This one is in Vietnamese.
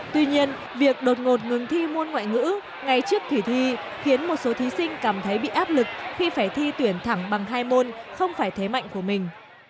tuy nhiên việc đột ngột ngừng thi môn ngoại ngữ ngay trước kỳ thi khiến một số thí sinh cảm thấy bị áp lực khi phải thi tuyển thẳng bằng hai môn không phải thế mạnh của mình